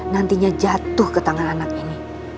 nantinya jatuh ke tangan anak ini